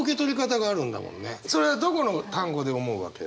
それはどこの単語で思うわけ？